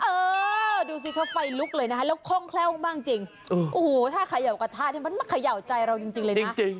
เออดูสิคะไฟลุกเลยนะแล้วโค่งแคล้วมากจริงถ้าขยับกระทานมันขยับใจเราจริงเลยนะ